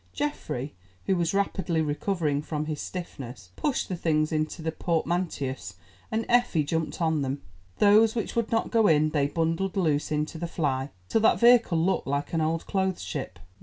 Geoffrey, who was rapidly recovering from his stiffness, pushed the things into the portmanteaus and Effie jumped on them. Those which would not go in they bundled loose into the fly, till that vehicle looked like an old clothes ship.